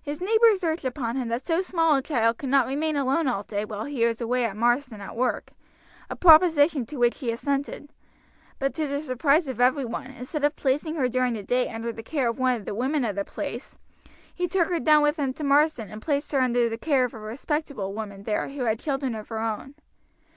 His neighbors urged upon him that so small a child could not remain alone all day while he was away at Marsden at work a proposition to which he assented; but to the surprise of every one, instead of placing her during the day under the care of one of the women of the place, he took her down with him to Marsden and placed her under the care of a respectable woman there who had children of her own.